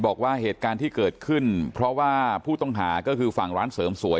บอกว่าเหตุการณ์ที่เกิดขึ้นเพราะว่าผู้ต้องหาก็คือฝั่งร้านเสริมสวย